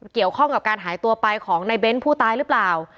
เกี่ยวข้องกับการหายตัวไปของในเบ้นผู้ตายหรือเปล่า